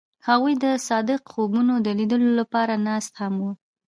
هغوی د صادق خوبونو د لیدلو لپاره ناست هم وو.